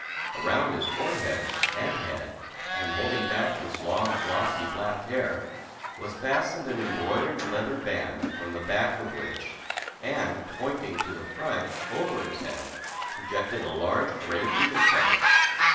Around his forehead and head, and holding back his long, glossy, black hair, was fastened an embroidered leather band, from the back of which, and pointing to the front, over his head, projected a large gray eagle's feather.